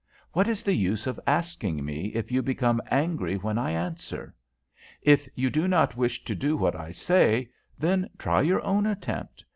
"What is the use of asking me, if you become angry when I answer? If you do not wish to do what I say, then try your own attempt.